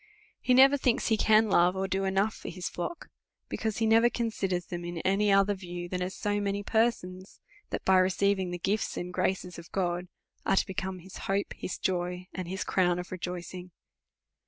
He never thinks he can love, or do enough for his flock ; because he never considers them in any other view, than as so many persons, that, by receiving the gifts and graces of God, are to become his hope, his joy, and his crown of rejoicing.